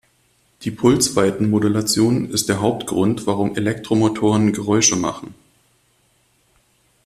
Die Pulsweitenmodulation ist der Hauptgrund, warum Elektromotoren Geräusche machen.